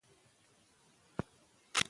بدخشان د افغانستان د اقلیم ځانګړتیا ده.